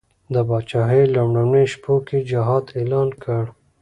د پاچهي لومړیو شپو کې جهاد اعلان کړ.